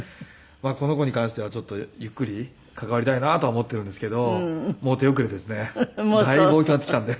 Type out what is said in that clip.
この子に関してはちょっとゆっくり関わりたいなとは思っているんですけどもう手遅れですねだいぶ大きくなってきたので。